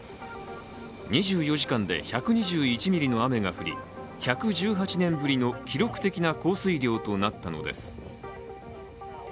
２４時間で１２１ミリの雨が降り１１８年ぶりの記録的な降水量となったのです。